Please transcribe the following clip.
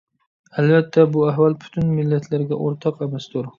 ئەلۋەتتە، بۇ ئەھۋال پۈتۈن مىللەتلەرگە ئورتاق ئەمەستۇر.